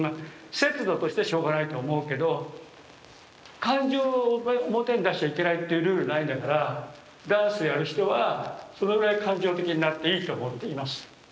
節度としてしょうがないと思うけど感情を表に出しちゃいけないっていうルールないんだからダンスやる人はそのぐらい感情的になっていいと思っています。